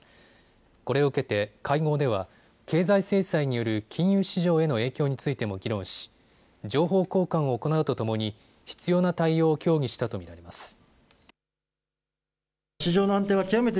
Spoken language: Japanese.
これを受けて会合では経済制裁による金融市場への影響についても議論し情報交換を行うとともに必要な対応を協議したと見られます。